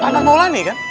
arman maulani kan